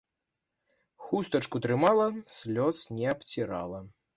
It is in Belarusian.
Хустачку трымала, слёз не абцірала.